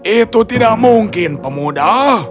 itu tidak mungkin pemuda